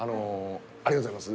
ありがとうございます。